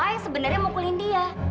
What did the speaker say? siapa yang sebenarnya mukulin dia